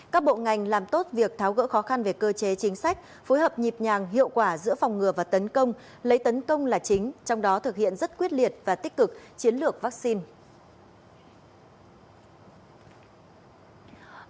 các bộ ngành làm tốt việc tháo gỡ khó khăn về cơ chế chính sách phối hợp nhịp nhàng hiệu quả giữa phòng ngừa và tấn công lấy tấn công là chính trong đó thực hiện rất quyết liệt và tích cực chiến lược vaccine